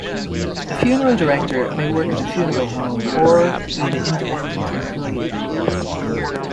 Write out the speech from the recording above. A funeral director may work at a funeral home or be an independent employee.